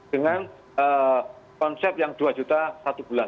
dengan konsep yang dua juta satu bulan